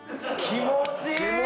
気持ちいい！